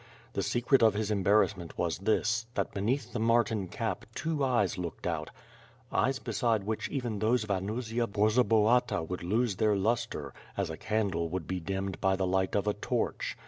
The secret of his embarrass ment was this, that beneath the marten cap two eyes looked out — eyes beside which even those of Anusia Borzobahata would lose their lustre, as a candle would be dimmed by the light of a torch.